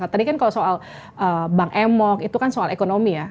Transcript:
tadi kan kalau soal bang emok itu kan soal ekonomi ya